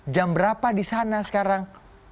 jam berapa di sana sekarang